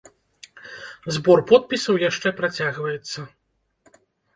Збор подпісаў яшчэ працягваецца.